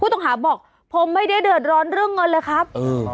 ต้องหาบอกผมไม่ได้เดือดร้อนเรื่องเงินเลยครับ